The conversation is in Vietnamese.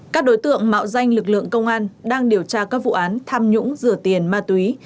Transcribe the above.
các đối tượng mạo danh lực lượng công an đang điều tra các vụ án tham nhũng rửa tiền ma túy